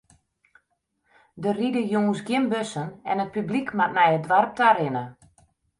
Der ride jûns gjin bussen en it publyk moat nei it doarp ta rinne.